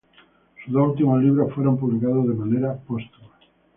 Sus dos últimos libros fueron publicados de manera póstuma.